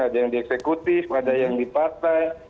ada yang dieksekutif ada yang dipasak